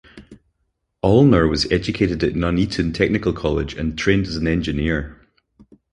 Olner was educated at Nuneaton Technical College and trained as an engineer.